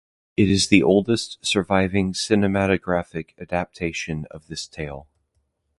It is the oldest surviving cinematographic adaptation of this tale.